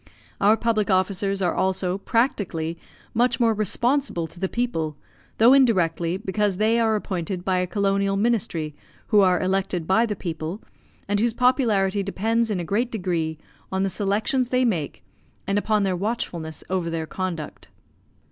Our public officers are also, practically, much more responsible to the people, though indirectly, because they are appointed by a Colonial Ministry who are elected by the people, and whose popularity depends in a great degree on the selections they make and upon their watchfulness over their conduct.